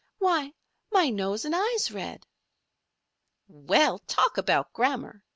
"Why, my nose and eyes red!" "Well! talk about grammar!"